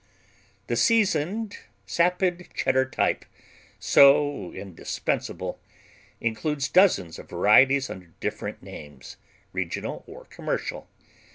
The seasoned, sapid Cheddar type, so indispensable, includes dozens of varieties under different names, regional or commercial.